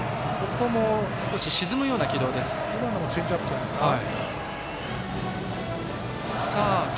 今のもチェンジアップじゃないですか。